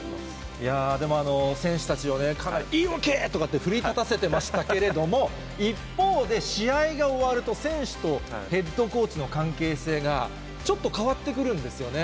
いやー、でも選手たちをね、言い訳！っていうふうに奮い立たせてましたけど、一方で、試合が終わると、選手とヘッドコーチの関係性が、ちょっと変わってくるんですよね。